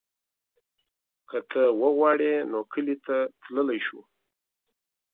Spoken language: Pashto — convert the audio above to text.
که ته وغواړې نو کلي ته تللی شو.